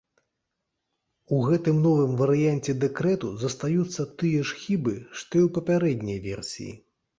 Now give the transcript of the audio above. У гэтым новым варыянце дэкрэту застаюцца тыя ж хібы, што і ў папярэдняй версіі.